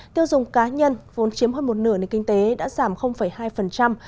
tiêu dùng cá nhân vốn chiếm hơn một nửa nền kinh tế đã giảm hai